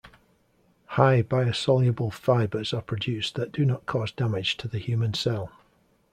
High biosoluble fibres are produced that do not cause damage to the human cell.